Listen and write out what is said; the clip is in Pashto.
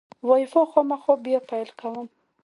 وای فای خامخا بیا پیل کوم.